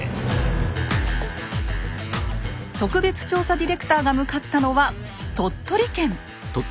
特別調査ディレクターが向かったのは鳥取県。